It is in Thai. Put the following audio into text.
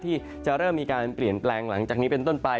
ที่จะเริ่มมีการเปลี่ยนแปลงหลังจากนี้เป็นต้นไป